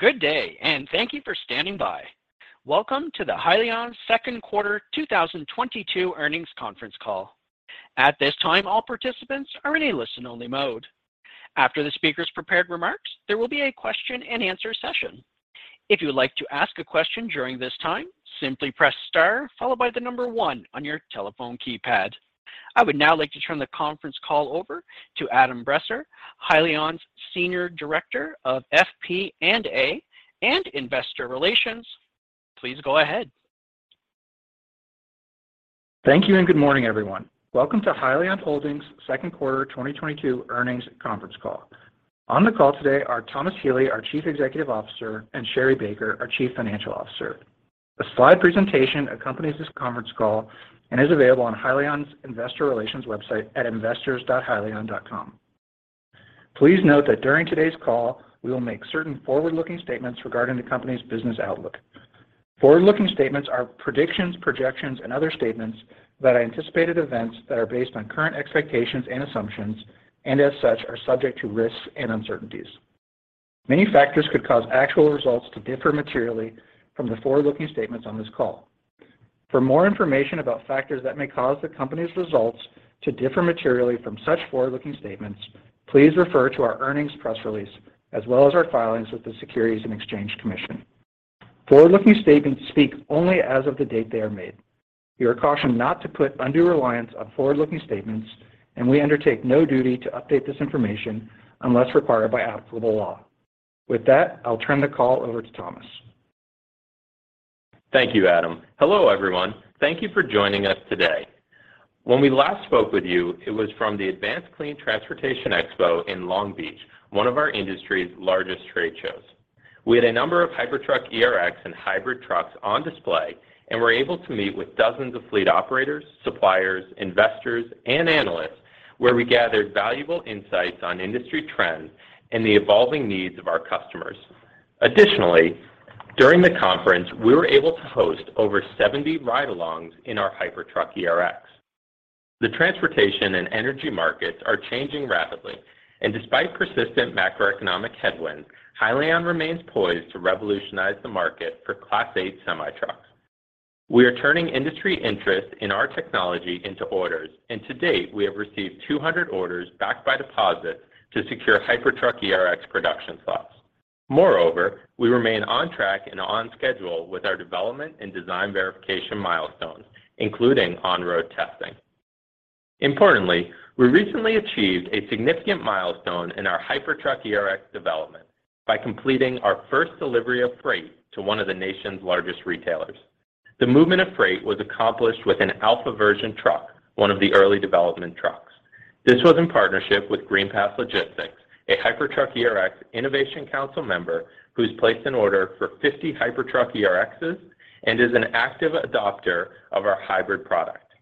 Good day, and thank you for standing by. Welcome to the Hyliion second quarter 2022 earnings conference call. At this time, all participants are in a listen-only mode. After the speaker's prepared remarks, there will be a question-and-answer session. If you would like to ask a question during this time, simply press star followed by the number one on your telephone keypad. I would now like to turn the conference call over to Adam Bresser, Hyliion's Senior Director of FP&A and Investor Relations. Please go ahead. Thank you, and good morning, everyone. Welcome to Hyliion Holdings second quarter 2022 earnings conference call. On the call today are Thomas Healy, our Chief Executive Officer, and Sherri Baker, our Chief Financial Officer. A slide presentation accompanies this conference call and is available on Hyliion's investor relations website at investors.hyliion.com. Please note that during today's call, we will make certain forward-looking statements regarding the company's business outlook. Forward-looking statements are predictions, projections, and other statements that anticipate events that are based on current expectations and assumptions, and as such, are subject to risks and uncertainties. Many factors could cause actual results to differ materially from the forward-looking statements on this call. For more information about factors that may cause the company's results to differ materially from such forward-looking statements, please refer to our earnings press release, as well as our filings with the Securities and Exchange Commission. Forward-looking statements speak only as of the date they are made. You are cautioned not to put undue reliance on forward-looking statements, and we undertake no duty to update this information unless required by applicable law. With that, I'll turn the call over to Thomas. Thank you, Adam. Hello, everyone. Thank you for joining us today. When we last spoke with you, it was from the Advanced Clean Transportation Expo in Long Beach, one of our industry's largest trade shows. We had a number of Hypertruck ERX and hybrid trucks on display and were able to meet with dozens of fleet operators, suppliers, investors, and analysts, where we gathered valuable insights on industry trends and the evolving needs of our customers. Additionally, during the conference, we were able to host over 70 ride-alongs in our Hypertruck ERX. The transportation and energy markets are changing rapidly, and despite persistent macroeconomic headwinds, Hyliion remains poised to revolutionize the market for Class 8 semi-trucks. We are turning industry interest in our technology into orders, and to date, we have received 200 orders backed by deposits to secure Hypertruck ERX production slots. Moreover, we remain on track and on schedule with our development and design verification milestones, including on-road testing. Importantly, we recently achieved a significant milestone in our Hypertruck ERX development by completing our first delivery of freight to one of the nation's largest retailers. The movement of freight was accomplished with an alpha version truck, one of the early development trucks. This was in partnership with GreenPath Logistics, a Hypertruck Innovation Council member who's placed an order for 50 Hypertruck ERXs and is an active adopter of our hybrid product.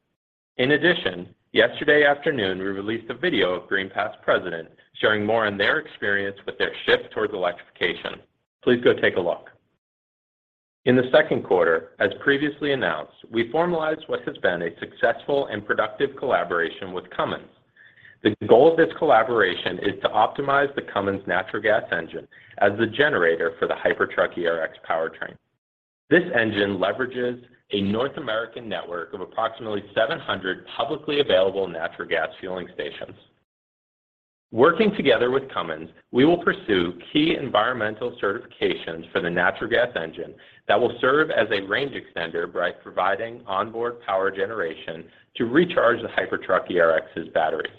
In addition, yesterday afternoon, we released a video of GreenPath's president sharing more on their experience with their shift towards electrification. Please go take a look. In the second quarter, as previously announced, we formalized what has been a successful and productive collaboration with Cummins. The goal of this collaboration is to optimize the Cummins natural gas engine as the generator for the Hypertruck ERX powertrain. This engine leverages a North American network of approximately 700 publicly available natural gas fueling stations. Working together with Cummins, we will pursue key environmental certifications for the natural gas engine that will serve as a range extender by providing onboard power generation to recharge the Hypertruck ERX's batteries.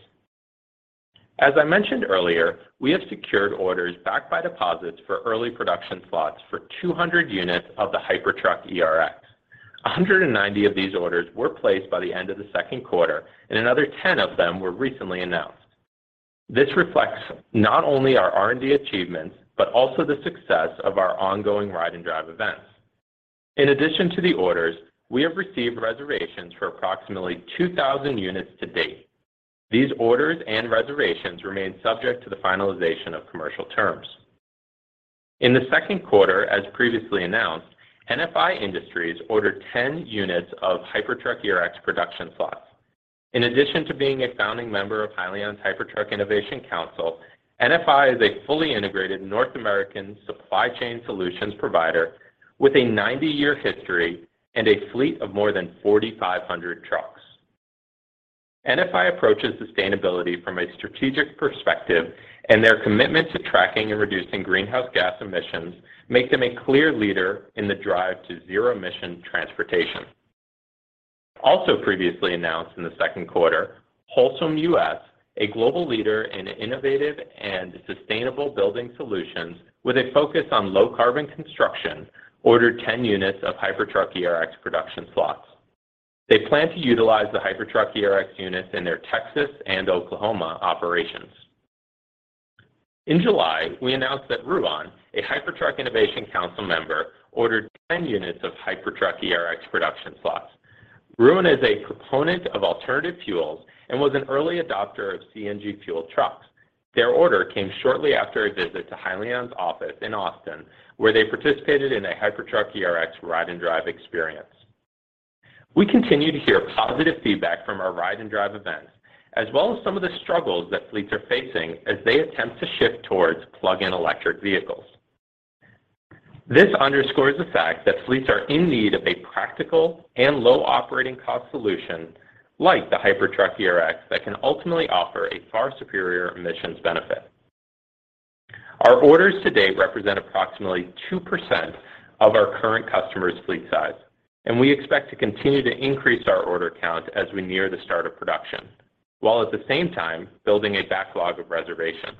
As I mentioned earlier, we have secured orders backed by deposits for early production slots for 200 units of the Hypertruck ERX. 190 of these orders were placed by the end of the second quarter, and another 10 of them were recently announced. This reflects not only our R&D achievements, but also the success of our ongoing ride and drive events. In addition to the orders, we have received reservations for approximately 2,000 units to date. These orders and reservations remain subject to the finalization of commercial terms. In the second quarter, as previously announced, NFI Industries ordered 10 units of Hypertruck ERX production slots. In addition to being a founding member of Hyliion's Hypertruck Innovation Council, NFI is a fully integrated North American supply chain solutions provider with a 90-year history and a fleet of more than 4,500 trucks. NFI approaches sustainability from a strategic perspective, and their commitment to tracking and reducing greenhouse gas emissions make them a clear leader in the drive to zero-emission transportation. Also previously announced in the second quarter, Holcim US, a global leader in innovative and sustainable building solutions with a focus on low-carbon construction, ordered 10 units of Hypertruck ERX production slots. They plan to utilize the Hypertruck ERX units in their Texas and Oklahoma operations. In July, we announced that Ruan, a Hypertruck Innovation Council member, ordered 10 units of Hypertruck ERX production slots. Ruan is a proponent of alternative fuels and was an early adopter of CNG fuel trucks. Their order came shortly after a visit to Hyliion's office in Austin, where they participated in a Hypertruck ERX ride and drive experience. We continue to hear positive feedback from our ride and drive events, as well as some of the struggles that fleets are facing as they attempt to shift towards plug-in electric vehicles. This underscores the fact that fleets are in need of a practical and low operating cost solution like the Hypertruck ERX that can ultimately offer a far superior emissions benefit. Our orders to date represent approximately 2% of our current customers' fleet size, and we expect to continue to increase our order count as we near the start of production, while at the same time building a backlog of reservations.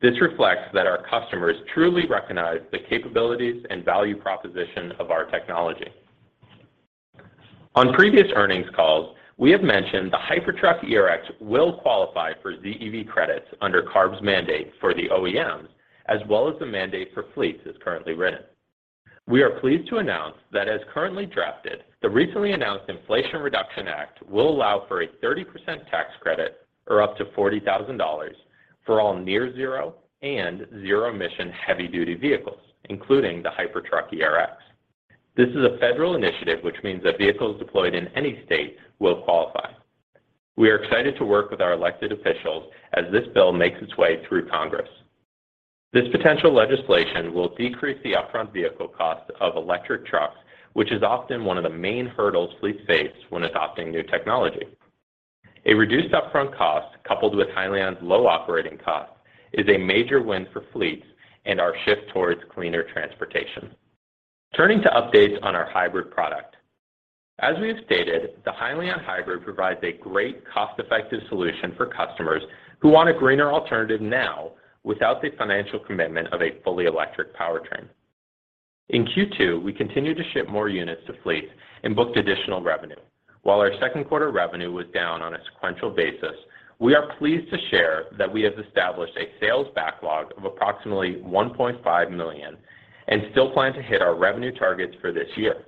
This reflects that our customers truly recognize the capabilities and value proposition of our technology. On previous earnings calls, we have mentioned the Hypertruck ERX will qualify for ZEV credits under CARB's mandate for the OEMs, as well as the mandate for fleets as currently written. We are pleased to announce that as currently drafted, the recently announced Inflation Reduction Act will allow for a 30% tax credit or up to $40,000 for all near-zero and zero-emission heavy-duty vehicles, including the Hypertruck ERX. This is a federal initiative, which means that vehicles deployed in any state will qualify. We are excited to work with our elected officials as this bill makes its way through Congress. This potential legislation will decrease the upfront vehicle cost of electric trucks, which is often one of the main hurdles fleets face when adopting new technology. A reduced upfront cost, coupled with Hyliion's low operating cost, is a major win for fleets and our shift towards cleaner transportation. Turning to updates on our hybrid product. As we have stated, the Hyliion Hybrid provides a great cost-effective solution for customers who want a greener alternative now without the financial commitment of a fully electric powertrain. In Q2, we continued to ship more units to fleet and booked additional revenue. While our second quarter revenue was down on a sequential basis, we are pleased to share that we have established a sales backlog of approximately $1.5 million and still plan to hit our revenue targets for this year.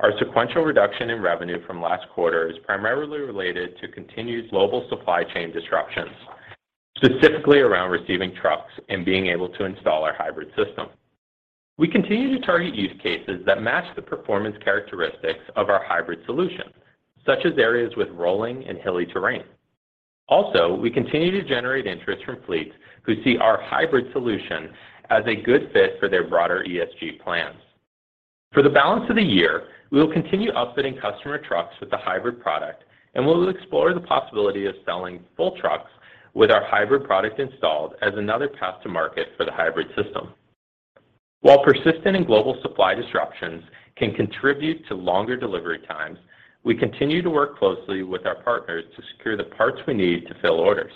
Our sequential reduction in revenue from last quarter is primarily related to continued global supply chain disruptions, specifically around receiving trucks and being able to install our hybrid system. We continue to target use cases that match the performance characteristics of our hybrid solution, such as areas with rolling and hilly terrain. Also, we continue to generate interest from fleets who see our hybrid solution as a good fit for their broader ESG plans. For the balance of the year, we will continue upfitting customer trucks with the hybrid product, and we will explore the possibility of selling full trucks with our hybrid product installed as another path to market for the hybrid system. While persistent and global supply disruptions can contribute to longer delivery times, we continue to work closely with our partners to secure the parts we need to fill orders.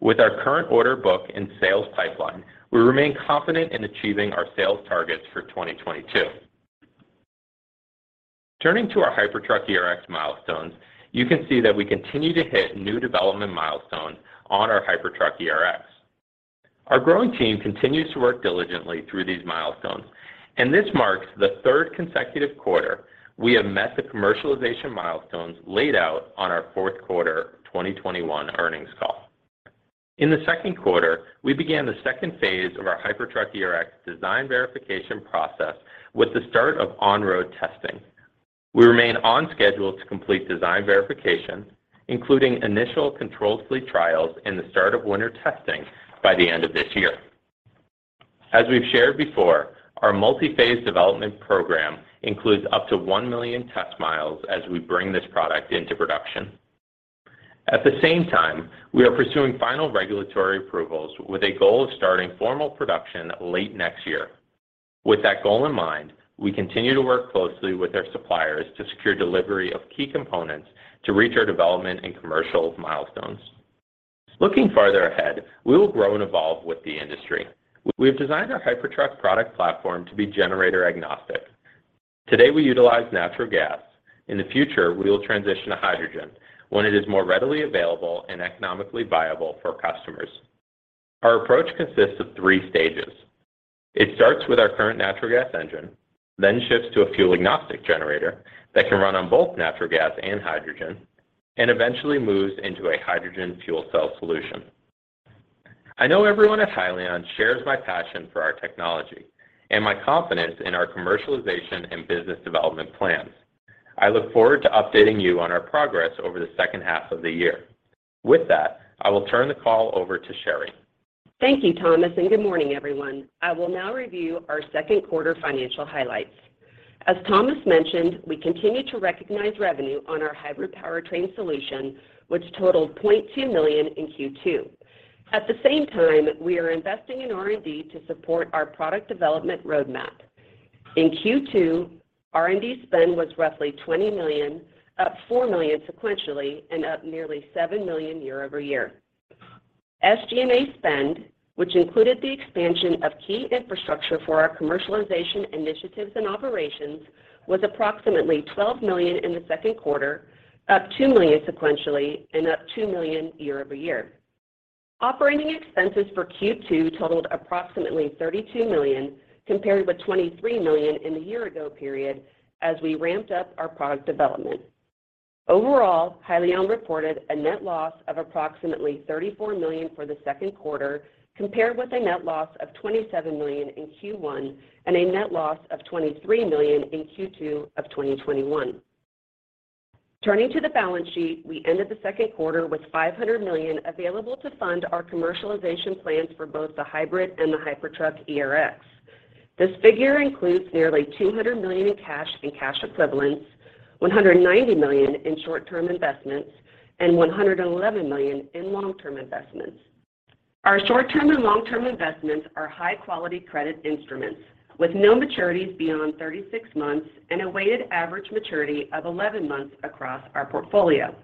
With our current order book and sales pipeline, we remain confident in achieving our sales targets for 2022. Turning to our Hypertruck ERX milestones, you can see that we continue to hit new development milestones on our Hypertruck ERX. Our growing team continues to work diligently through these milestones, and this marks the third consecutive quarter we have met the commercialization milestones laid out on our fourth quarter 2021 earnings call. In the second quarter, we began the second phase of our Hypertruck ERX design verification process with the start of on-road testing. We remain on schedule to complete design verification, including initial controlled fleet trials and the start of winter testing by the end of this year. As we've shared before, our multi-phase development program includes up to one million test miles as we bring this product into production. At the same time, we are pursuing final regulatory approvals with a goal of starting formal production late next year. With that goal in mind, we continue to work closely with our suppliers to secure delivery of key components to reach our development and commercial milestones. Looking farther ahead, we will grow and evolve with the industry. We have designed our Hypertruck product platform to be generator agnostic. Today, we utilize natural gas. In the future, we will transition to hydrogen when it is more readily available and economically viable for customers. Our approach consists of three stages. It starts with our current natural gas engine, then shifts to a fuel-agnostic generator that can run on both natural gas and hydrogen, and eventually moves into a hydrogen fuel cell solution. I know everyone at Hyliion shares my passion for our technology and my confidence in our commercialization and business development plans. I look forward to updating you on our progress over the second half of the year. With that, I will turn the call over to Sherri. Thank you, Thomas, and good morning, everyone. I will now review our second quarter financial highlights. As Thomas mentioned, we continue to recognize revenue on our hybrid powertrain solution, which totaled $0.2 million in Q2. At the same time, we are investing in R&D to support our product development roadmap. In Q2, R&D spend was roughly $20 million, up $4 million sequentially and up nearly $7 million year-over-year. SG&A spend, which included the expansion of key infrastructure for our commercialization initiatives and operations, was approximately $12 million in the second quarter, up $2 million sequentially and up $2 million year-over-year. Operating expenses for Q2 totaled approximately $32 million, compared with $23 million in the year ago period as we ramped up our product development. Overall, Hyliion reported a net loss of approximately $34 million for the second quarter, compared with a net loss of $27 million in Q1 and a net loss of $23 million in Q2 of 2021. Turning to the balance sheet, we ended the second quarter with $500 million available to fund our commercialization plans for both the hybrid and the Hypertruck ERX. This figure includes nearly $200 million in cash and cash equivalents, $190 million in short-term investments, and $111 million in long-term investments. Our short-term and long-term investments are high-quality credit instruments with no maturities beyond 36 months and a weighted average maturity of 11 months across our portfolio.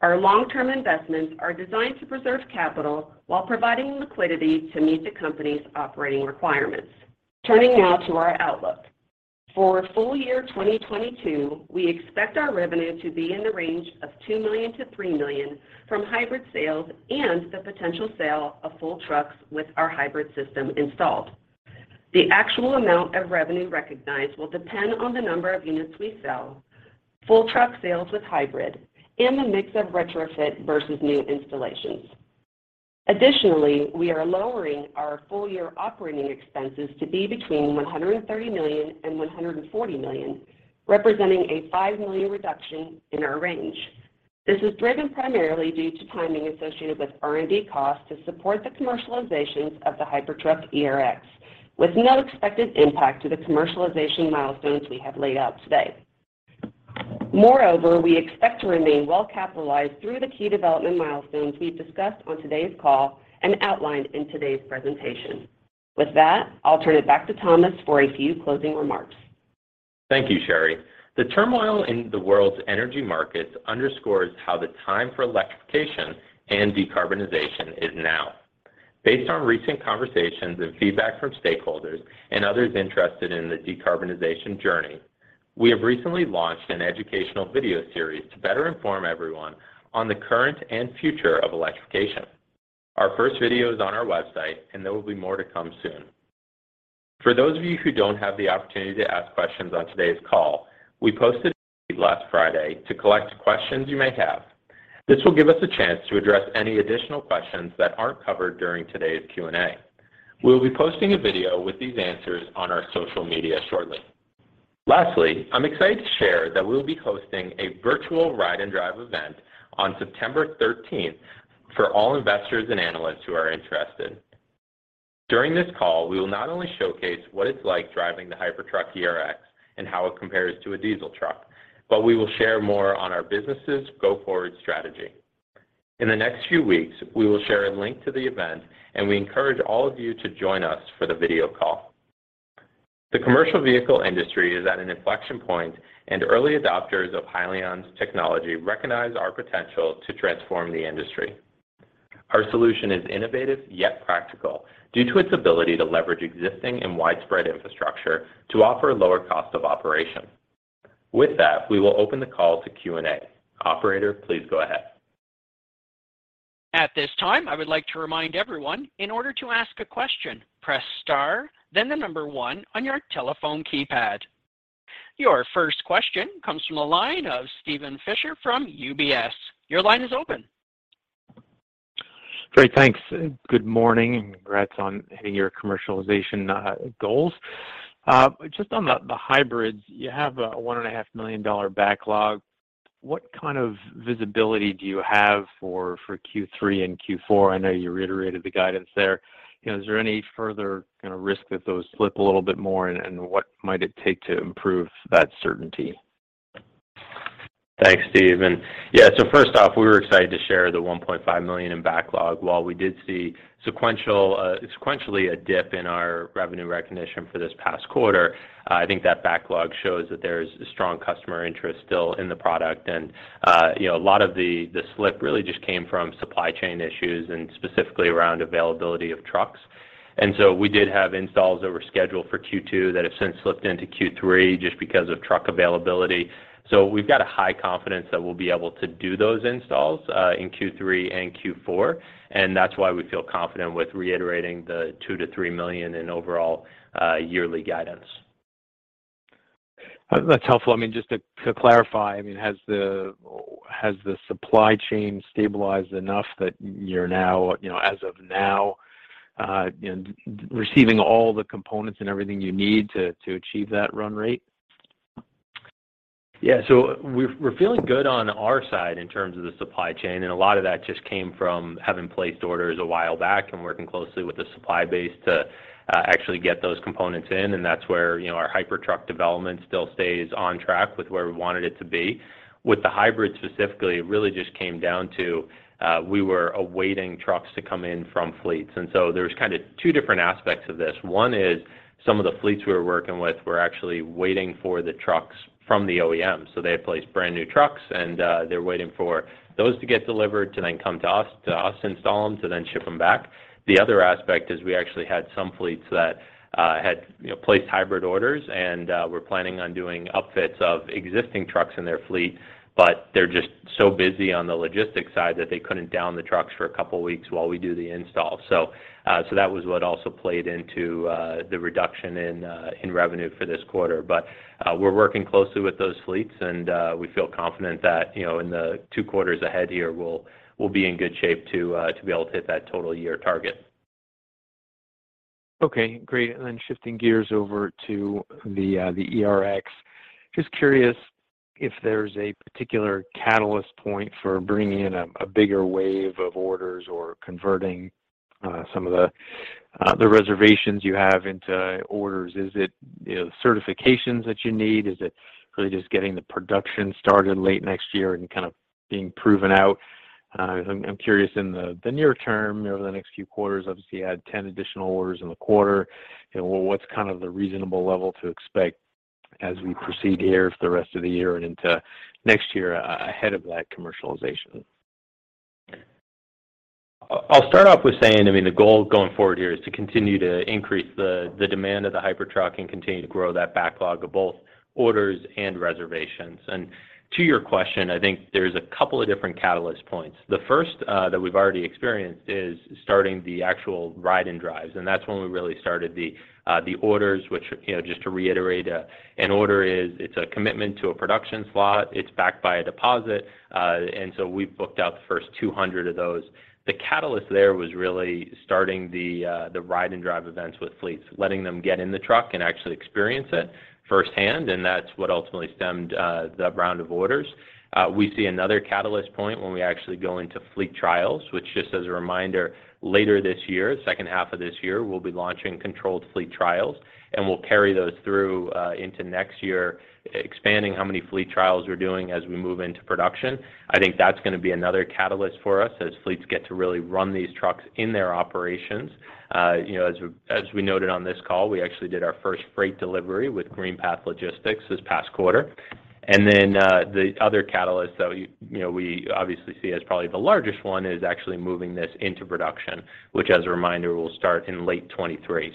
Our long-term investments are designed to preserve capital while providing liquidity to meet the company's operating requirements. Turning now to our outlook. For full year 2022, we expect our revenue to be in the range of $2 million-$3 million from hybrid sales and the potential sale of full trucks with our hybrid system installed. The actual amount of revenue recognized will depend on the number of units we sell, full truck sales with hybrid, and the mix of retrofit versus new installations. Additionally, we are lowering our full year operating expenses to be between $130 million and $140 million, representing a $5 million reduction in our range. This is driven primarily due to timing associated with R&D costs to support the commercializations of the Hypertruck ERX with no expected impact to the commercialization milestones we have laid out today. Moreover, we expect to remain well-capitalized through the key development milestones we've discussed on today's call and outlined in today's presentation. With that, I'll turn it back to Thomas for a few closing remarks. Thank you, Sherri. The turmoil in the world's energy markets underscores how the time for electrification and decarbonization is now. Based on recent conversations and feedback from stakeholders and others interested in the decarbonization journey, we have recently launched an educational video series to better inform everyone on the current and future of electrification. Our first video is on our website, and there will be more to come soon. For those of you who don't have the opportunity to ask questions on today's call, we posted last Friday to collect questions you may have. This will give us a chance to address any additional questions that aren't covered during today's Q&A. We will be posting a video with these answers on our social media shortly. Lastly, I'm excited to share that we'll be hosting a virtual ride and drive event on September thirteenth for all investors and analysts who are interested. During this call, we will not only showcase what it's like driving the Hypertruck ERX and how it compares to a diesel truck, but we will share more on our business' go-forward strategy. In the next few weeks, we will share a link to the event, and we encourage all of you to join us for the video call. The commercial vehicle industry is at an inflection point, and early adopters of Hyliion's technology recognize our potential to transform the industry. Our solution is innovative yet practical due to its ability to leverage existing and widespread infrastructure to offer a lower cost of operation. With that, we will open the call to Q&A. Operator, please go ahead. At this time, I would like to remind everyone, in order to ask a question, press star, then the number one on your telephone keypad. Your first question comes from the line of Steven Fisher from UBS. Your line is open. Great. Thanks. Good morning, and congrats on hitting your commercialization goals. Just on the hybrids, you have a $1.5 million backlog. What kind of visibility do you have for Q3 and Q4? I know you reiterated the guidance there. You know, is there any further kinda risk that those slip a little bit more and what might it take to improve that certainty? Thanks, Steven. Yeah, first off, we were excited to share the $1.5 million in backlog. While we did see sequentially a dip in our revenue recognition for this past quarter, I think that backlog shows that there's a strong customer interest still in the product and, you know, a lot of the slip really just came from supply chain issues and specifically around availability of trucks. We did have installs that were scheduled for Q2 that have since slipped into Q3 just because of truck availability. We've got a high confidence that we'll be able to do those installs in Q3 and Q4, and that's why we feel confident with reiterating the $2-$3 million in overall yearly guidance. That's helpful. I mean, just to clarify, I mean, has the supply chain stabilized enough that you're now, you know, as of now, you know, receiving all the components and everything you need to achieve that run rate? Yeah. We're feeling good on our side in terms of the supply chain, and a lot of that just came from having placed orders a while back and working closely with the supply base to actually get those components in, and that's where, you know, our Hypertruck development still stays on track with where we wanted it to be. With the hybrid specifically, it really just came down to we were awaiting trucks to come in from fleets. There's kinda two different aspects of this. One is some of the fleets we were working with were actually waiting for the trucks from the OEM. They had placed brand-new trucks, and they're waiting for those to get delivered to then come to us, install them, to then ship them back. The other aspect is we actually had some fleets that had, you know, placed hybrid orders and were planning on doing upfits of existing trucks in their fleet, but they're just so busy on the logistics side that they couldn't down the trucks for a couple of weeks while we do the install. That was what also played into the reduction in revenue for this quarter. We're working closely with those fleets and we feel confident that, you know, in the two quarters ahead here, we'll be in good shape to be able to hit that total year target. Okay, great. Shifting gears over to the ERX. Just curious if there's a particular catalyst point for bringing in a bigger wave of orders or converting some of the reservations you have into orders. Is it, you know, certifications that you need? Is it really just getting the production started late next year and kind of being proven out? I'm curious in the near term, you know, over the next few quarters, obviously you had 10 additional orders in the quarter. You know, what's kind of the reasonable level to expect as we proceed here for the rest of the year and into next year ahead of that commercialization? I'll start off with saying, I mean, the goal going forward here is to continue to increase the demand of the Hypertruck and continue to grow that backlog of both orders and reservations. To your question, I think there's a couple of different catalyst points. The first that we've already experienced is starting the actual ride-and-drives, and that's when we really started the orders, which, you know, just to reiterate, an order is. It's a commitment to a production slot. It's backed by a deposit, and so we've booked out the first 200 of those. The catalyst there was really starting the ride-and-drive events with fleets, letting them get in the truck and actually experience it firsthand, and that's what ultimately stemmed the round of orders. We see another catalyst point when we actually go into fleet trials, which just as a reminder, later this year, second half of this year, we'll be launching controlled fleet trials, and we'll carry those through into next year, expanding how many fleet trials we're doing as we move into production. I think that's gonna be another catalyst for us as fleets get to really run these trucks in their operations. You know, as we noted on this call, we actually did our first freight delivery with GreenPath Logistics this past quarter. The other catalyst that we, you know, we obviously see as probably the largest one is actually moving this into production, which as a reminder, will start in late 2023.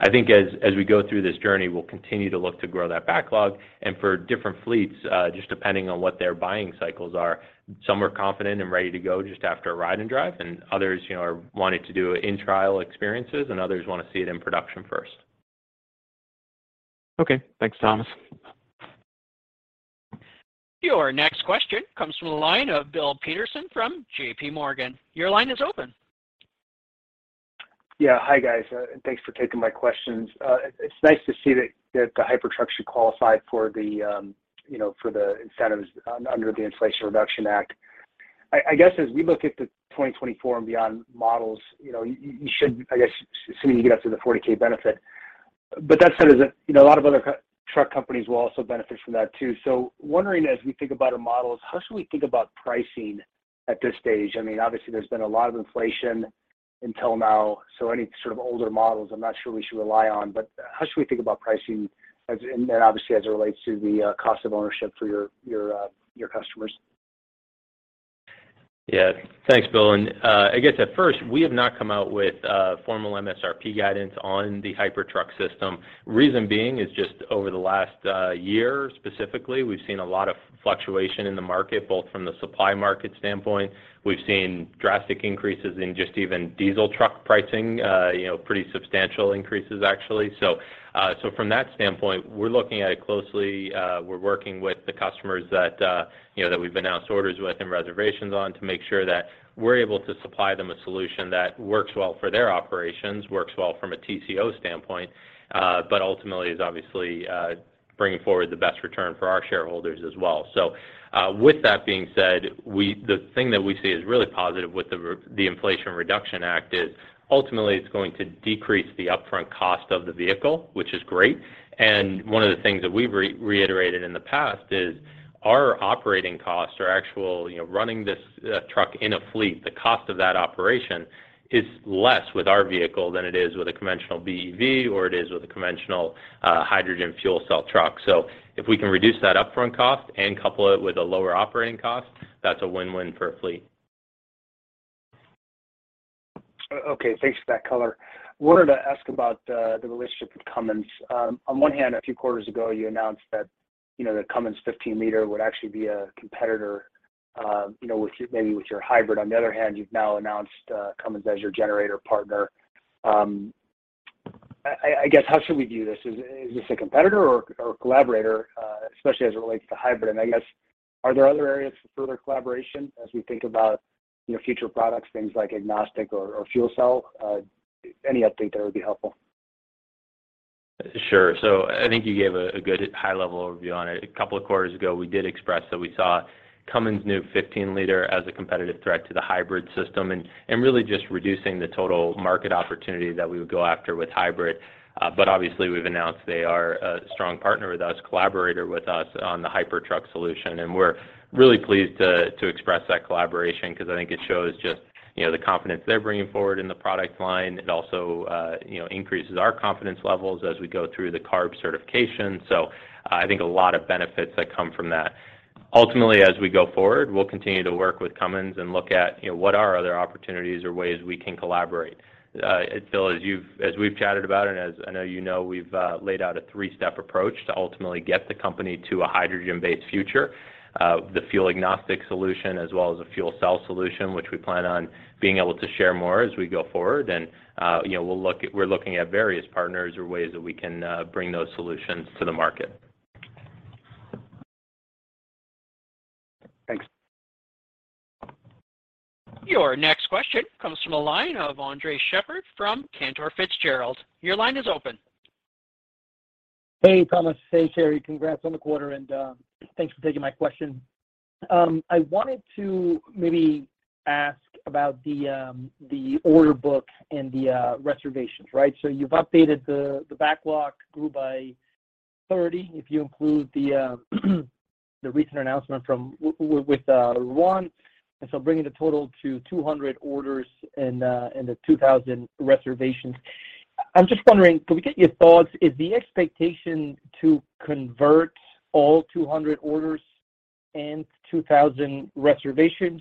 I think as we go through this journey, we'll continue to look to grow that backlog and for different fleets, just depending on what their buying cycles are. Some are confident and ready to go just after a ride and drive, and others, you know, are wanting to do in-trial experiences, and others want to see it in production first. Okay. Thanks, Thomas. Your next question comes from the line of Bill Peterson from JPMorgan. Your line is open. Yeah. Hi, guys, and thanks for taking my questions. It's nice to see that the Hypertruck should qualify for the, you know, for the incentives under the Inflation Reduction Act. I guess as we look at the 2024 and beyond models, you know, you should, I guess, assuming you get up to the $40,000 benefit. That said, you know, a lot of other Class 8 truck companies will also benefit from that too. Wondering as we think about our models, how should we think about pricing at this stage? I mean, obviously there's been a lot of inflation until now, so any sort of older models I'm not sure we should rely on. How should we think about pricing, and then obviously as it relates to the cost of ownership for your customers? Yeah. Thanks, Bill, and I guess at first, we have not come out with formal MSRP guidance on the Hypertruck system. Reason being is just over the last year specifically, we've seen a lot of fluctuation in the market, both from the supply market standpoint. We've seen drastic increases in just even diesel truck pricing, you know, pretty substantial increases actually. From that standpoint, we're looking at it closely. We're working with the customers that, you know, that we've announced orders with and reservations on to make sure that we're able to supply them a solution that works well for their operations, works well from a TCO standpoint, but ultimately is obviously bringing forward the best return for our shareholders as well. With that being said, the thing that we see as really positive with the Inflation Reduction Act is ultimately it's going to decrease the upfront cost of the vehicle, which is great. One of the things that we've reiterated in the past is our operating costs or actual, you know, running this truck in a fleet, the cost of that operation is less with our vehicle than it is with a conventional BEV or it is with a conventional hydrogen fuel cell truck. If we can reduce that upfront cost and couple it with a lower operating cost, that's a win-win for a fleet. Okay. Thanks for that color. Wanted to ask about the relationship with Cummins. On one hand, a few quarters ago, you announced that, you know, the Cummins 15Lwould actually be a competitor, you know, with maybe your hybrid. On the other hand, you've now announced Cummins as your generator partner. I guess, how should we view this? Is this a competitor or collaborator, especially as it relates to hybrid? I guess, are there other areas for further collaboration as we think about, you know, future products, things like agnostic or fuel cell? Any update there would be helpful. Sure. I think you gave a good high-level overview on it. A couple of quarters ago, we did express that we saw Cummins' new 15L as a competitive threat to the hybrid system and really just reducing the total market opportunity that we would go after with hybrid. Obviously we've announced they are a strong partner with us, collaborator with us on the Hypertruck solution, and we're really pleased to express that collaboration because I think it shows just, you know, the confidence they're bringing forward in the product line. It also, you know, increases our confidence levels as we go through the CARB certification. I think a lot of benefits that come from that. Ultimately, as we go forward, we'll continue to work with Cummins and look at, you know, what are other opportunities or ways we can collaborate. Bill, as we've chatted about and as I know you know, we've laid out a three-step approach to ultimately get the company to a hydrogen-based future. The fuel-agnostic solution as well as a fuel cell solution, which we plan on being able to share more as we go forward. You know, we're looking at various partners or ways that we can bring those solutions to the market. Thanks. Your next question comes from the line of Andres Sheppard from Cantor Fitzgerald. Your line is open. Hey, Thomas. Hey, Sherri. Congrats on the quarter, and thanks for taking my question. I wanted to maybe ask about the order book and the reservations, right? You've updated the backlog grew by 30, if you include the recent announcement from with Ruan, and so bringing the total to 200 orders and the 2,000 reservations. I'm just wondering, could we get your thoughts, is the expectation to convert all 200 orders and 2,000 reservations,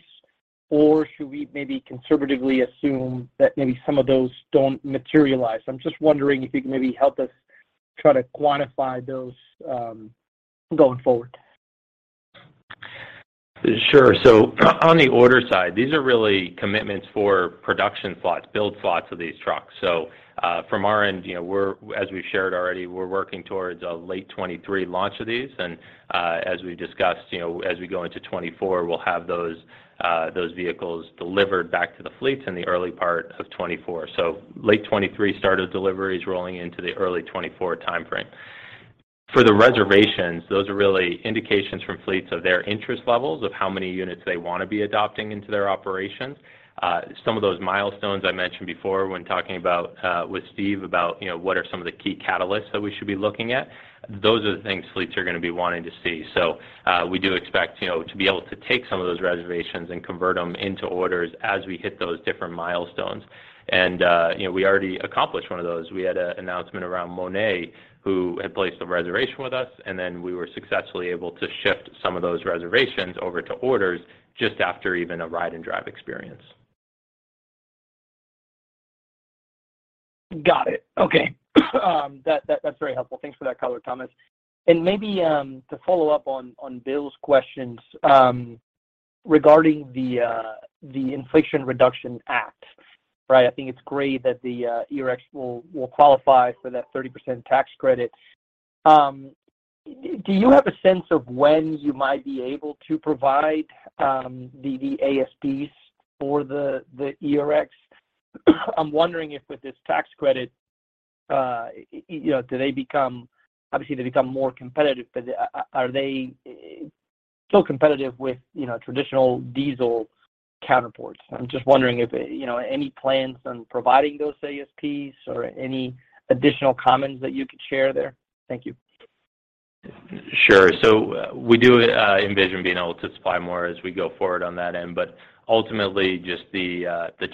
or should we maybe conservatively assume that maybe some of those don't materialize? I'm just wondering if you can maybe help us try to quantify those going forward. Sure. On the order side, these are really commitments for production slots, build slots of these trucks. From our end, you know, we're, as we've shared already, we're working towards a late 2023 launch of these. As we've discussed, you know, as we go into 2024, we'll have those vehicles delivered back to the fleets in the early part of 2024. Late 2023 start of deliveries rolling into the early 2024 timeframe. For the reservations, those are really indications from fleets of their interest levels of how many units they wanna be adopting into their operations. Some of those milestones I mentioned before when talking about, with Steve about, you know, what are some of the key catalysts that we should be looking at, those are the things fleets are gonna be wanting to see. We do expect, you know, to be able to take some of those reservations and convert them into orders as we hit those different milestones. You know, we already accomplished one of those. We had an announcement around Monet, who had placed a reservation with us, and then we were successfully able to shift some of those reservations over to orders just after even a ride and drive experience. Got it. Okay. That's very helpful. Thanks for that color, Thomas. Maybe to follow up on Bill's questions regarding the Inflation Reduction Act, right? I think it's great that the ERX will qualify for that 30% tax credit. Do you have a sense of when you might be able to provide the ASPs for the ERX? I'm wondering if with this tax credit, you know, do they become. Obviously, they become more competitive, but are they so competitive with, you know, traditional diesel counterparts? I'm just wondering if, you know, any plans on providing those ASPs or any additional comments that you could share there. Thank you. Sure. We do envision being able to supply more as we go forward on that end. Ultimately, just the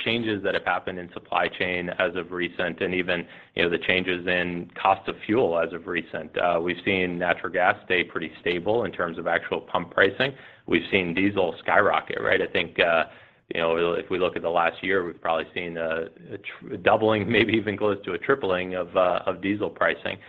changes that have happened in supply chain as of recent and even, you know, the changes in cost of fuel as of recent. We've seen natural gas stay pretty stable in terms of actual pump pricing. We've seen diesel skyrocket, right? I think, you know, if we look at the last year, we've probably seen a doubling, maybe even close to a tripling of diesel pricing.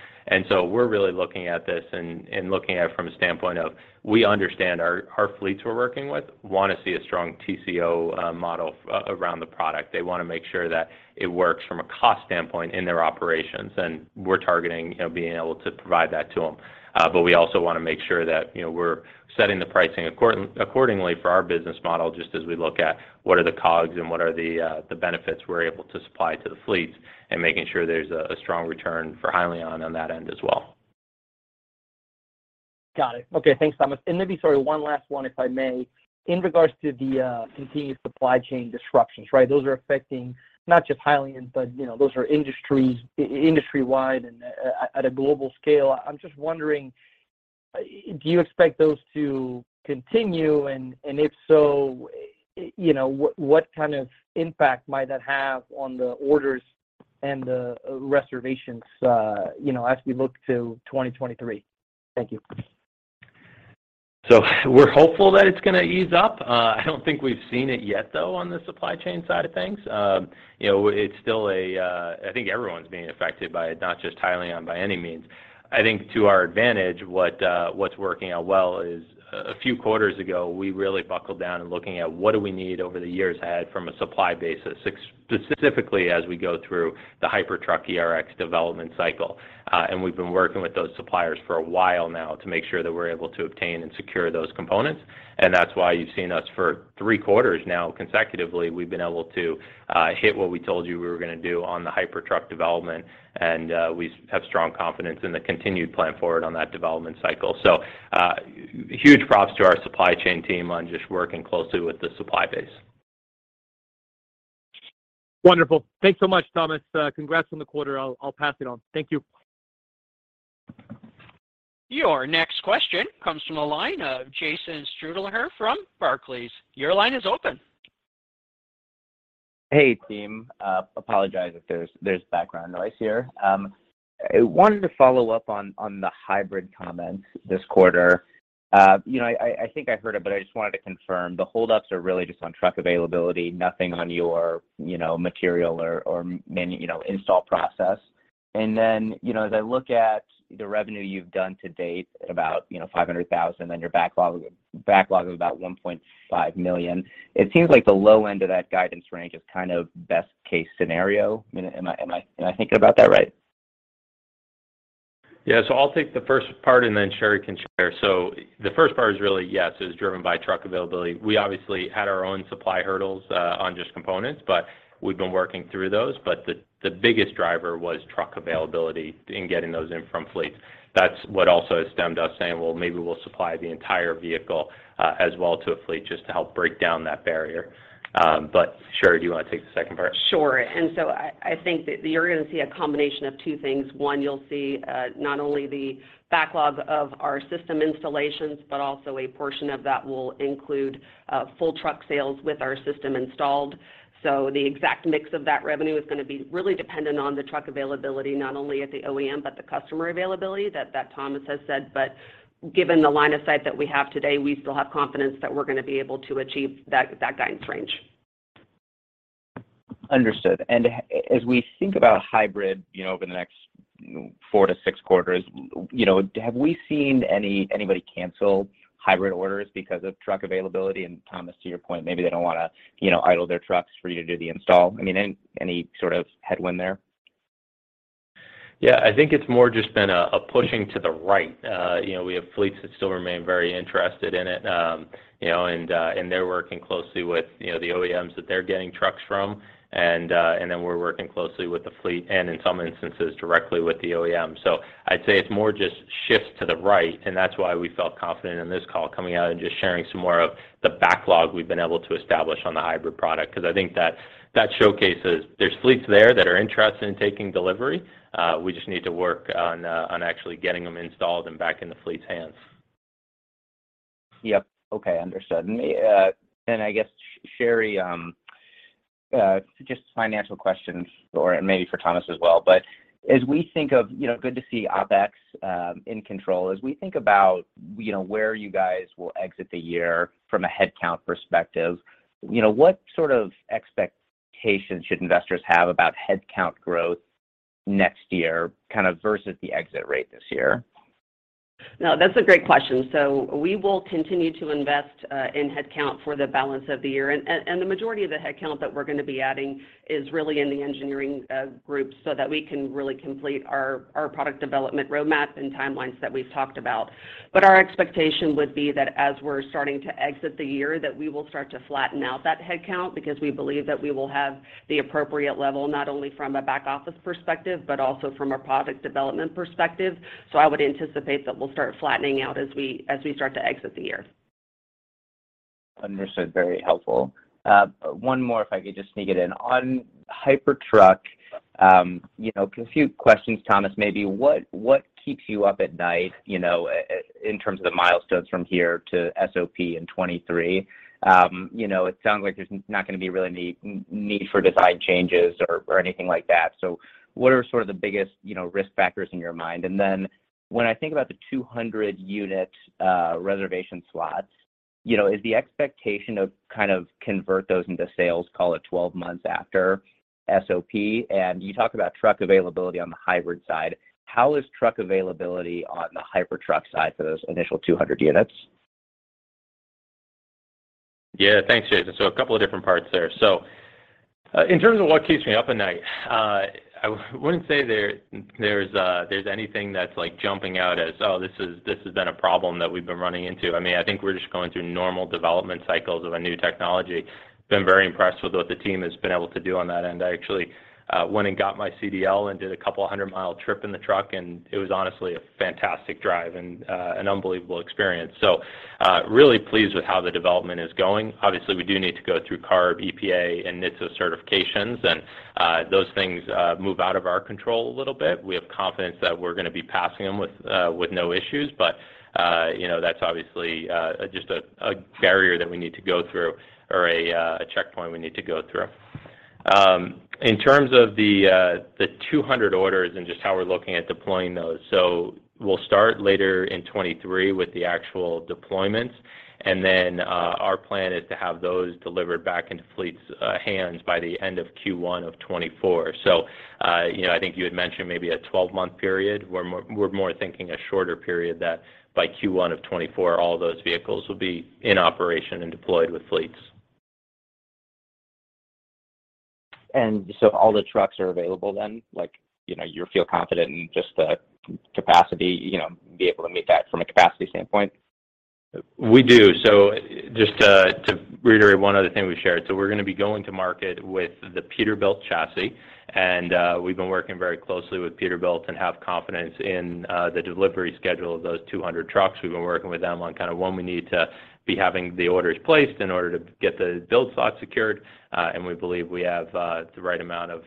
We're really looking at this and looking at it from a standpoint of we understand our fleets we're working with wanna see a strong TCO model around the product. They wanna make sure that it works from a cost standpoint in their operations, and we're targeting, you know, being able to provide that to them. We also wanna make sure that, you know, we're setting the pricing accordingly for our business model just as we look at what are the COGS and what are the benefits we're able to supply to the fleets and making sure there's a strong return for Hyliion on that end as well. Got it. Okay. Thanks, Thomas. Maybe, sorry, one last one, if I may. In regards to the continued supply chain disruptions, right? Those are affecting not just Hyliion, but you know, those are industry-wide and at a global scale. I'm just wondering, do you expect those to continue? If so, you know, what kind of impact might that have on the orders and the reservations, you know, as we look to 2023? Thank you. We're hopeful that it's gonna ease up. I don't think we've seen it yet, though, on the supply chain side of things. You know, it's still a, I think everyone's being affected by it, not just Hyliion by any means. I think to our advantage, what's working out well is a few quarters ago, we really buckled down in looking at what do we need over the years ahead from a supply basis, specifically as we go through the Hypertruck ERX development cycle. We've been working with those suppliers for a while now to make sure that we're able to obtain and secure those components, and that's why you've seen us for three quarters now consecutively. We've been able to hit what we told you we were gonna do on the Hypertruck development, and we have strong confidence in the continued plan forward on that development cycle. Huge props to our supply chain team on just working closely with the supply base. Wonderful. Thanks so much, Thomas. Congrats on the quarter. I'll pass it on. Thank you. Your next question comes from the line of Jason Stuhldreher here from Barclays. Your line is open. Hey, team. Apologize if there's background noise here. I wanted to follow up on the hybrid comment this quarter. You know, I think I heard it, but I just wanted to confirm. The holdups are really just on truck availability, nothing on your, you know, material or you know, install process. You know, as I look at the revenue you've done to date at about, you know, $500,000, then your backlog of about $1.5 million, it seems like the low end of that guidance range is kind of best-case scenario. Am I thinking about that right? Yeah. I'll take the first part and then Sherri can share. The first part is really, yes, it was driven by truck availability. We obviously had our own supply hurdles on just components, but we've been working through those. But the biggest driver was truck availability in getting those in from fleets. That's what also has stemmed us saying, "Well, maybe we'll supply the entire vehicle as well to a fleet just to help break down that barrier." Sherri, do you wanna take the second part? Sure. I think that you're gonna see a combination of two things. One, you'll see not only the backlog of our system installations, but also a portion of that will include full truck sales with our system installed. The exact mix of that revenue is gonna be really dependent on the truck availability, not only at the OEM, but the customer availability that Thomas has said. Given the line of sight that we have today, we still have confidence that we're gonna be able to achieve that guidance range. Understood. As we think about hybrid, you know, over the next four to six quarters, you know, have we seen anybody cancel hybrid orders because of truck availability? Thomas, to your point, maybe they don't wanna, you know, idle their trucks for you to do the install. I mean, any sort of headwind there? Yeah. I think it's more just been a pushing to the right. You know, we have fleets that still remain very interested in it, you know, and they're working closely with, you know, the OEMs that they're getting trucks from, and then we're working closely with the fleet and in some instances directly with the OEM. I'd say it's more just shift to the right, and that's why we felt confident in this call coming out and just sharing some more of the backlog we've been able to establish on the hybrid product because I think that showcases there's fleets there that are interested in taking delivery, we just need to work on actually getting them installed and back in the fleet's hands. Yep. Okay. Understood. I guess, Sherri, just financial questions, or maybe for Thomas as well. As we think of you know, good to see OpEx in control. As we think about, you know, where you guys will exit the year from a headcount perspective, you know, what sort of expectations should investors have about headcount growth next year kinda versus the exit rate this year? No, that's a great question. We will continue to invest in headcount for the balance of the year. The majority of the headcount that we're gonna be adding is really in the engineering groups so that we can really complete our product development roadmap and timelines that we've talked about. Our expectation would be that as we're starting to exit the year, that we will start to flatten out that headcount because we believe that we will have the appropriate level, not only from a back office perspective, but also from a product development perspective. I would anticipate that we'll start flattening out as we start to exit the year. Understood. Very helpful. One more if I could just sneak it in. On Hypertruck, you know, a few questions, Thomas, maybe. What keeps you up at night, you know, in terms of the milestones from here to SOP in 2023? You know, it sounds like there's not gonna be really need for design changes or anything like that. What are sort of the biggest, you know, risk factors in your mind? When I think about the 200 unit reservation slots, you know, is the expectation to kind of convert those into sales, call it 12 months after SOP? You talk about truck availability on the hybrid side. How is truck availability on the Hypertruck side for those initial 200 units? Yeah. Thanks, Jason. A couple of different parts there. In terms of what keeps me up at night, I wouldn't say there's anything that's like jumping out as this has been a problem that we've been running into. I mean, I think we're just going through normal development cycles of a new technology. Been very impressed with what the team has been able to do on that, and I actually went and got my CDL and did a couple-hundred-mile trip in the truck, and it was honestly a fantastic drive and an unbelievable experience. Really pleased with how the development is going. Obviously, we do need to go through CARB, EPA, and NHTSA certifications, and those things move out of our control a little bit. We have confidence that we're gonna be passing them with no issues, but you know, that's obviously just a barrier that we need to go through or a checkpoint we need to go through. In terms of the 200 orders and just how we're looking at deploying those. We'll start later in 2023 with the actual deployments, and then our plan is to have those delivered back into fleet's hands by the end of Q1 of 2024. You know, I think you had mentioned maybe a 12-month period. We're more thinking a shorter period that by Q1 of 2024, all those vehicles will be in operation and deployed with fleets. All the trucks are available then? Like, you know, you feel confident in just the capacity, you know, be able to meet that from a capacity standpoint? We do. Just to reiterate one other thing we shared. We're gonna be going to market with the Peterbilt chassis, and we've been working very closely with Peterbilt and have confidence in the delivery schedule of those 200 trucks. We've been working with them on kinda when we need to be having the orders placed in order to get the build slot secured, and we believe we have the right amount of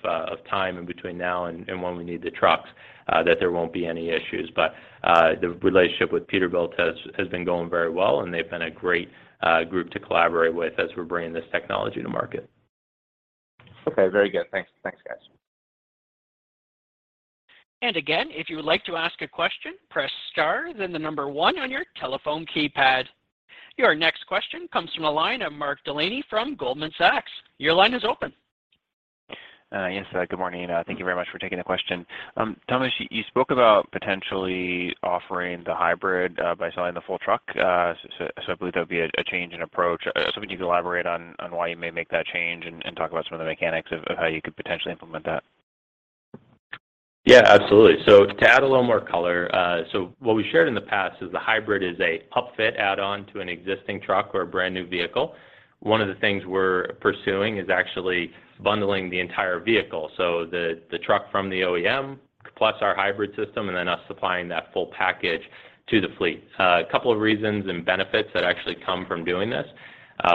time in between now and when we need the trucks that there won't be any issues. The relationship with Peterbilt has been going very well, and they've been a great group to collaborate with as we're bringing this technology to market. Okay. Very good. Thanks. Thanks, guys. Again, if you would like to ask a question, press star then the number one on your telephone keypad. Your next question comes from the line of Mark Delaney from Goldman Sachs. Your line is open. Yes. Good morning. Thank you very much for taking the question. Thomas, you spoke about potentially offering the hybrid by selling the full truck. I believe that would be a change in approach. If you could elaborate on why you may make that change and talk about some of the mechanics of how you could potentially implement that. Yeah, absolutely. To add a little more color, what we shared in the past is the hybrid is a upfit add-on to an existing truck or a brand-new vehicle. One of the things we're pursuing is actually bundling the entire vehicle, the truck from the OEM plus our hybrid system and then us supplying that full package to the fleet. A couple of reasons and benefits that actually come from doing this,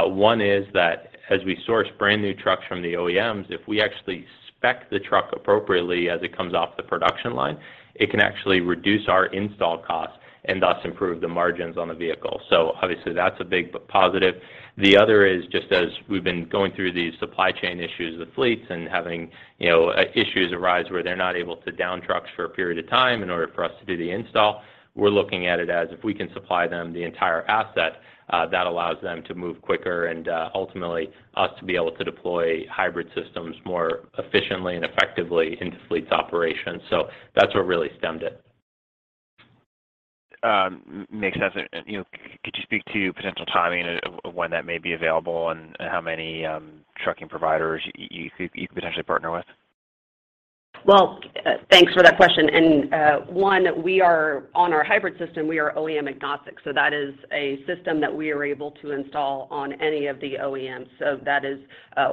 one is that as we source brand-new trucks from the OEMs, if we actually spec the truck appropriately as it comes off the production line, it can actually reduce our install costs and thus improve the margins on the vehicle. Obviously, that's a big positive. The other is just as we've been going through these supply chain issues with fleets and having, you know, issues arise where they're not able to down trucks for a period of time in order for us to do the install, we're looking at it as if we can supply them the entire asset, that allows them to move quicker and, ultimately us to be able to deploy hybrid systems more efficiently and effectively into fleets operations. That's what really stemmed it. Makes sense. You know, could you speak to potential timing of when that may be available and how many trucking providers you could potentially partner with? Well, thanks for that question. One, on our hybrid system, we are OEM-agnostic, so that is a system that we are able to install on any of the OEMs. That is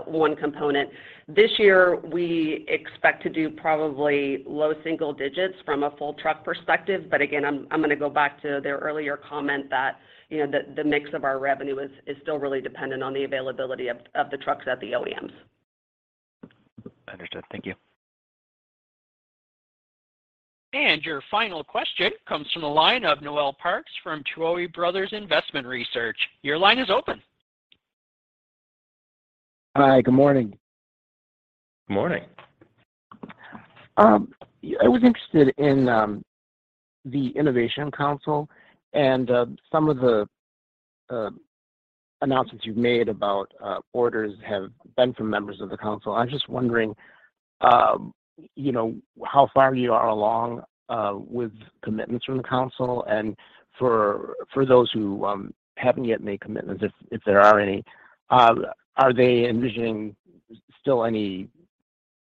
one component. This year, we expect to do probably low single digits from a full truck perspective, again, I'm gonna go back to the earlier comment that, you know, the mix of our revenue is still really dependent on the availability of the trucks at the OEMs. Understood. Thank you. Your final question comes from the line of Noel Parks from Tuohy Brothers Investment Research. Your line is open. Hi. Good morning. Morning. I was interested in the Hypertruck Innovation Council and some of the announcements you've made about orders have been from members of the council. I'm just wondering, you know, how far you are along with commitments from the council and for those who haven't yet made commitments, if there are any, are they envisioning still any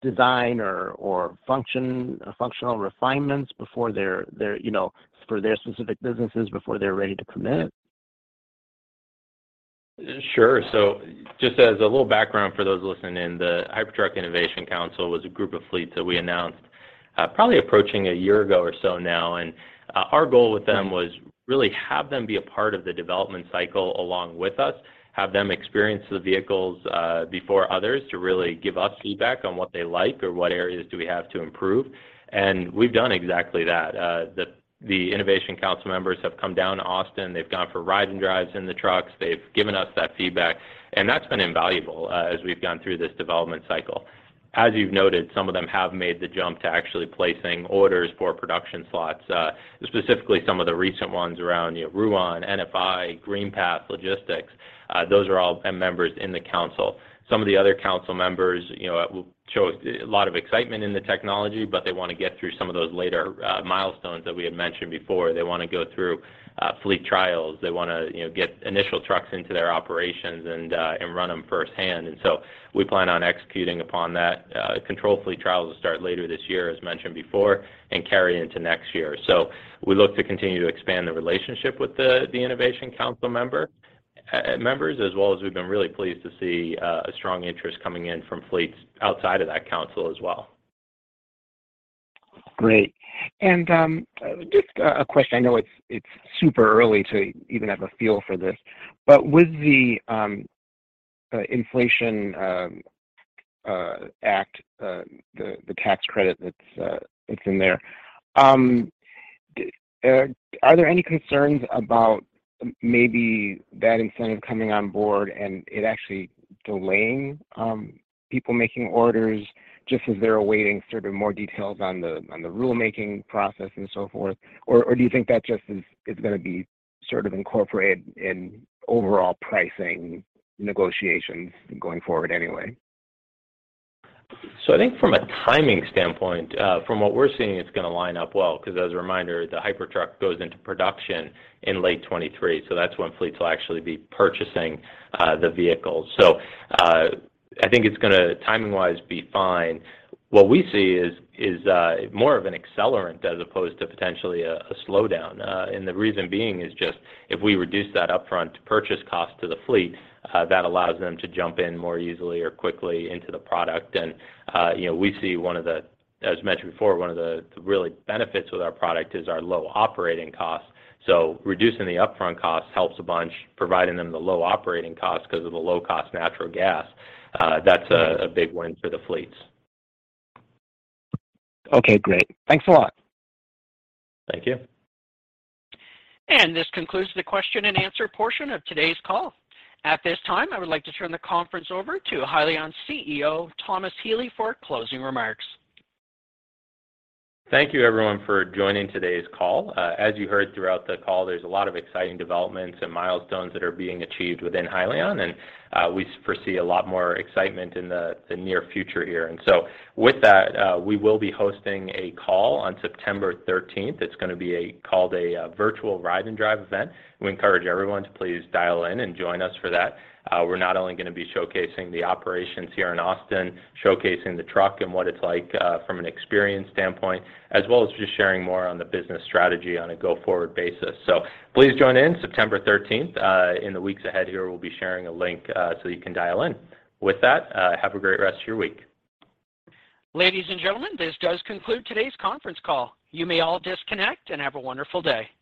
design or functional refinements before their, you know, for their specific businesses before they're ready to commit? Sure. Just as a little background for those listening in, the Hypertruck Innovation Council was a group of fleets that we announced, probably approaching a year ago or so now. Our goal with them was really have them be a part of the development cycle along with us, have them experience the vehicles, before others to really give us feedback on what they like or what areas do we have to improve. We've done exactly that. The Innovation Council members have come down to Austin. They've gone for ride and drives in the trucks. They've given us that feedback, and that's been invaluable, as we've gone through this development cycle. As you've noted, some of them have made the jump to actually placing orders for production slots, specifically some of the recent ones around, you know, Ruan, NFI, GreenPath Logistics, those are all members in the council. Some of the other council members, you know, show a lot of excitement in the technology, but they wanna get through some of those later, milestones that we had mentioned before. They wanna go through fleet trials. They wanna, you know, get initial trucks into their operations and run them firsthand. We plan on executing upon that. Controlled fleet trials will start later this year, as mentioned before, and carry into next year. We look to continue to expand the relationship with the Innovation Council members, as well as we've been really pleased to see a strong interest coming in from fleets outside of that council as well. Great. Just a question. I know it's super early to even have a feel for this. With the Inflation Reduction Act, the tax credit that's in there, are there any concerns about maybe that incentive coming on board and it actually delaying people making orders just as they're awaiting sort of more details on the rulemaking process and so forth? Or do you think that just is gonna be sort of incorporated in overall pricing negotiations going forward anyway? I think from a timing standpoint, from what we're seeing, it's gonna line up well, 'cause as a reminder, the Hypertruck goes into production in late 2023, so that's when fleets will actually be purchasing the vehicle. I think it's gonna, timing-wise, be fine. What we see is more of an accelerant as opposed to potentially a slowdown. The reason being is just if we reduce that upfront purchase cost to the fleet, that allows them to jump in more easily or quickly into the product. You know, we see one of the, as mentioned before, real benefits with our product is our low operating cost. Reducing the upfront cost helps a bunch, providing them the low operating cost 'cause of the low-cost natural gas. That's a big win for the fleets. Okay. Great. Thanks a lot. Thank you. This concludes the question and answer portion of today's call. At this time, I would like to turn the conference over to Hyliion's CEO, Thomas Healy, for closing remarks. Thank you everyone for joining today's call. As you heard throughout the call, there's a lot of exciting developments and milestones that are being achieved within Hyliion, and we foresee a lot more excitement in the near future here. With that, we will be hosting a call on September thirteenth. It's gonna be called a virtual ride and drive event. We encourage everyone to please dial in and join us for that. We're not only gonna be showcasing the operations here in Austin, showcasing the truck and what it's like from an experience standpoint, as well as just sharing more on the business strategy on a go-forward basis. Please join in September thirteenth. In the weeks ahead here, we'll be sharing a link so you can dial in. With that, have a great rest of your week. Ladies and gentlemen, this does conclude today's conference call. You may all disconnect and have a wonderful day.